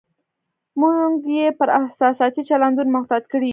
موږ یې پر احساساتي چلندونو معتاد کړي یو.